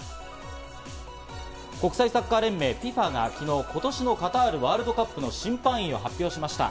国際サッカー連盟、ＦＩＦＡが昨日、今年のカタールワールドカップの審判員を発表しました。